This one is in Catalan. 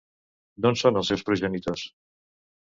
D'on són els seus progenitors?